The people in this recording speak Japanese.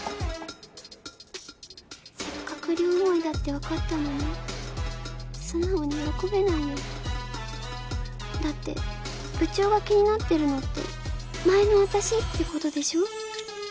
せっかく両思いだって分かったのに素直に喜べないよだって部長が気になってるのって前の私ってことでしょ？